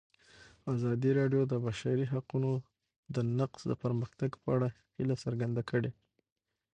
ازادي راډیو د د بشري حقونو نقض د پرمختګ په اړه هیله څرګنده کړې.